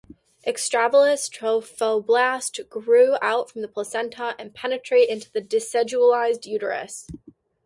Extravillous trophoblast grow out from the placenta and penetrate into the decidualised uterus.